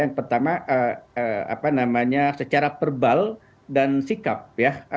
yang pertama apa namanya secara verbal dan sikap ya